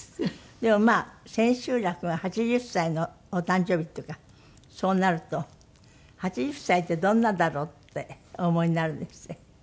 でもまあ千秋楽が８０歳のお誕生日っていうかそうなると８０歳ってどんなだろうってお思いになるんですって？